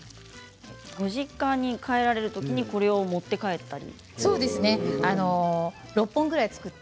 ご実家に帰られるときにこれを持って帰ったり。